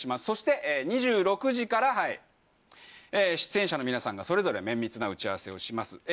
そして２６時から出演者の皆さんがそれぞれ綿密な打ち合わせをします。